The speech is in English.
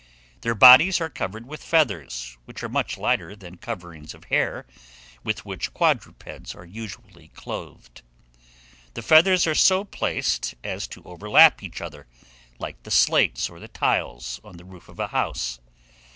Their bodies are covered with feathers, which are much lighter than coverings of hair, with which quadrupeds are usually clothed. The feathers are so placed as to overlap each other, like the slates or the tiles on the roof of a house.